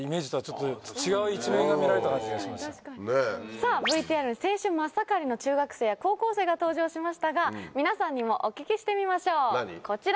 さぁＶＴＲに青春真っ盛りの中学生や高校生が登場しましたが皆さんにもお聞きしてみましょうこちら！